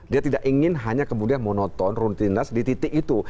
dia tidak ingin hanya kemudian monoton rutinitas di titik itu